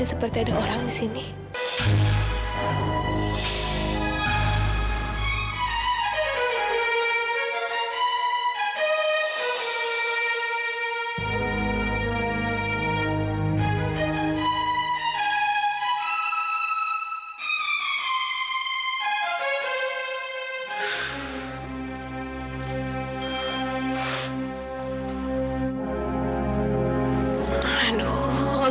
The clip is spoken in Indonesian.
selamat tinggal amira